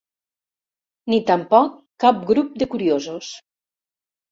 Ni tampoc cap grup de curiosos.